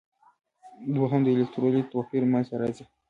دوهم د الکترولیتیک توپیر منځ ته راځي.